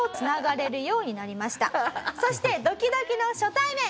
そしてドキドキの初対面。